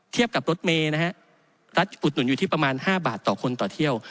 เทียบกับรถเมย์นะฮะรัฐอุดหนุนอยู่ที่ประมาณ๕บาทต่อคนต่อเที่ยว